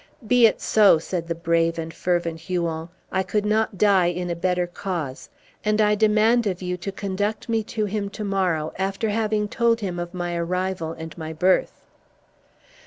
"Be it so," said the brave and fervent Huon, "I could not die in a better cause; and I demand of you to conduct me to him to morrow, after having told him of my arrival and my birth."